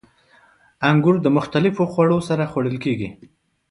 • انګور د مختلفو خوړو سره خوړل کېږي.